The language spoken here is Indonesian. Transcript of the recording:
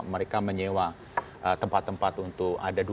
mereka menyewa tempat tempat untuk ada dua